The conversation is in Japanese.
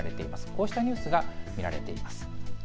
こうしたニュースが見られています。